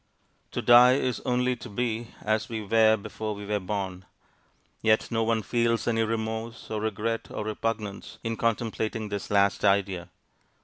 To die is only to be as we were before we were born; yet no one feels any remorse, or regret, or repugnance, in contemplating this last idea.